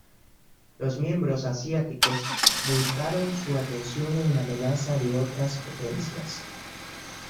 Los miembros asiáticos volcaron su atención a la amenaza de otras potencias.